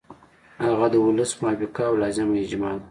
هغه د ولس موافقه او لازمه اجماع ده.